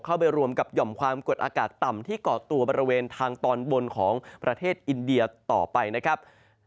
ไปรวมกับหย่อมความกดอากาศต่ำที่เกาะตัวบริเวณทางตอนบนของประเทศอินเดียต่อไปนะครับ